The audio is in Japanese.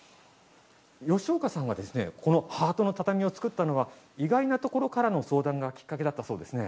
吉岡さんがこのハートの畳を作ったのは意外なところからの相談がきっかけだったそうですね。